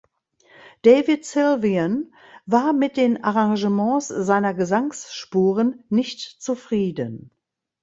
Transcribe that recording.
David Sylvian war mit den Arrangements seiner Gesangsspuren nicht zufrieden.